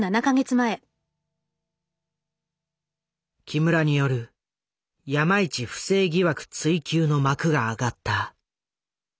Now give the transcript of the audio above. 木村による山一不正疑惑追及の幕が上がった。